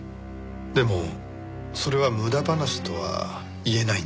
でもそれは無駄話とは言えないんじゃ。